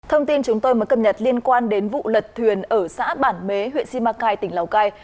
thông tin chúng tôi mới cập nhật liên quan đến vụ lật thuyền ở xã bản bế huyện simacai tỉnh lào cai